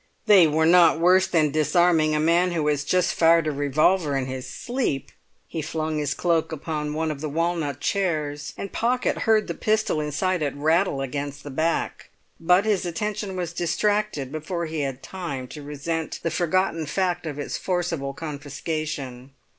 "They were not worse than disarming a man who has just fired a revolver in his sleep!" He flung his cloak upon one of the walnut chairs, and Pocket heard the pistol inside it rattle against the back; but his attention was distracted before he had time to resent the forgotten fact of its forcible confiscation.